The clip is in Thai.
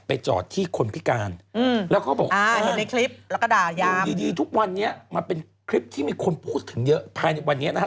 กระจ่างงานนี้เราครบ๒ปีไปแล้วใช่ป่ะ